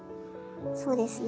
そうですね。